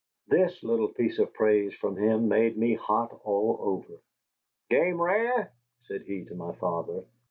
This little piece of praise from him made me hot all over. "Game rare?" said he to my father.